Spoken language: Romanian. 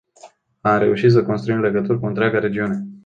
Am reușit să construim legături cu întreaga regiune.